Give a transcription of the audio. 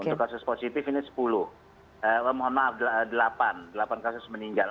untuk kasus positif ini sepuluh mohon maaf delapan delapan kasus meninggal